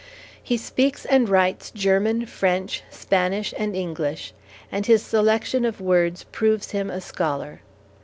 He speaks and writes German, French, Spanish, and English; and his selection of words proves him a scholar.